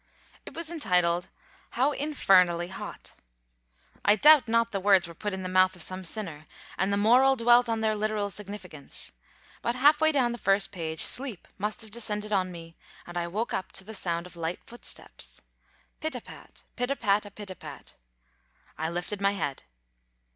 It was entitled, "How infernally Hot!" I doubt not the words were put in the mouth of some sinner, and the moral dwelt on their literal significance. But half way down the first page sleep must have descended on me: and I woke up to the sound of light footsteps. Pit a pat pit a pat a pit pat. I lifted my head.